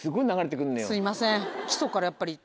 すいません。